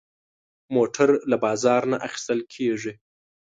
موټر له بازار نه اخېستل کېږي.